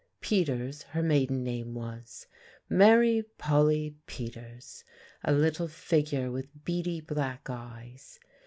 Peters her maiden name was Mary Polly Peters; a little figure with beady black eyes.